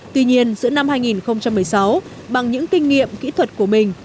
tuy nhiên giữa năm hai nghìn một mươi sáu bằng những kinh nghiệm kỹ thuật của mình